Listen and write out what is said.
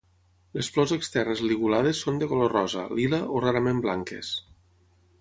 Les flors externes ligulades són de color rosa, lila o rarament blanques.